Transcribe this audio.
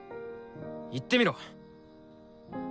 言ってみろ。